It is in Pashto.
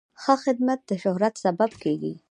ښه خدمت د شهرت سبب کېږي.